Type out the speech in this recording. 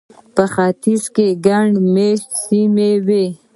په ختیځ کې ګڼ مېشته سیمه وه.